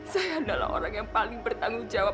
saya adalah orang yang paling bertanggung jawab